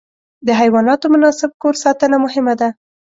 د حیواناتو مناسب کور ساتنه مهمه ده.